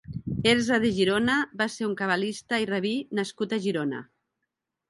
Ezra de Girona va ser un cabalista i rabí nascut a Girona.